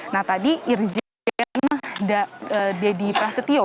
nah tadi irjen deddy prasetyo